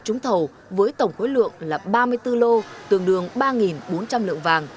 bốn thầu với tổng khối lượng là ba mươi bốn lô tường đường ba bốn trăm linh lượng vàng